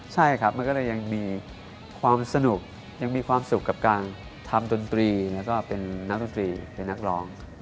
ใช่หม่อนงี้ครับมันก็เลยยังมีความสนุกกับการทำดนตรีและก็เป็นนักดนตรีเป็นนักร้อง